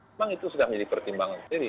memang itu sudah menjadi pertimbangan sendiri